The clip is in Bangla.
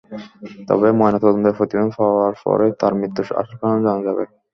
তবে ময়নাতদন্তের প্রতিবেদন পাওয়ার পরই তাঁর মৃত্যুর আসল কারণ জানা যাবে।